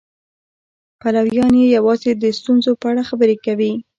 پلویان یې یوازې د ستونزو په اړه خبرې کوي.